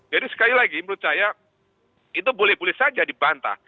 jadi sekali lagi menurut saya itu boleh boleh saja dibantah